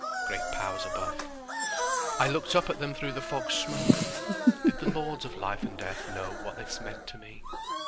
Great Powers above—I looked up at them through the fog smoke—did the Lords of Life and Death know what this meant to me?